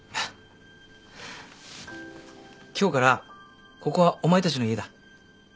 今日からここはお前たちの家だ。